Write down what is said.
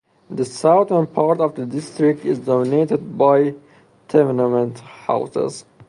The southern part of the district is dominated by tenement houses.